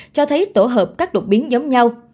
cho thấy tổ hợp các đột biến giống nhau